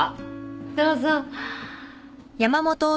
どうぞ。